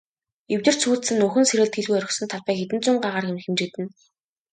Эвдэрч сүйдсэн, нөхөн сэргээлт хийлгүй орхисон талбай хэдэн зуун гагаар хэмжигдэнэ.